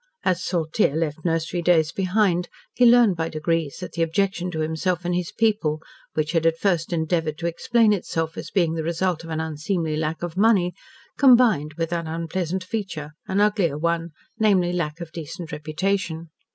As Saltyre left nursery days behind, he learned by degrees that the objection to himself and his people, which had at first endeavoured to explain itself as being the result of an unseemly lack of money, combined with that unpleasant feature, an uglier one namely, lack of decent reputation.